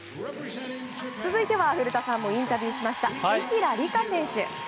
続いては古田さんもインタビューしました紀平梨花選手。